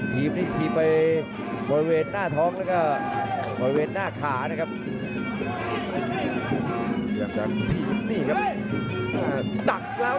ทีมที่ขี่ไปบริเวณหน้าท้องแล้วก็บริเวณหน้าขานะครับ